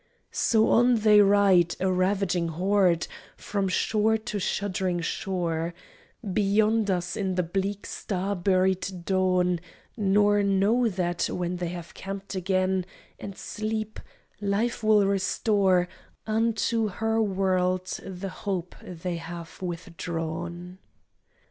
So on they ride, a ravaging horde, From shore to shuddering shore, Beyond us in the bleak star buried dawn; Nor know that when they have camped again And sleep, Life will restore Unto her world the hope they have withdrawn.